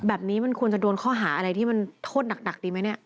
แบบนี้มันควรจะโดนข้อหาอะไรที่มันโทษหนักดีไหมเนี่ย